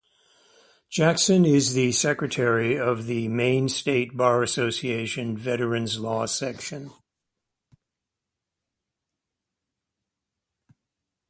Jackson is the secretary of the Maine State Bar Association Veterans Law Section.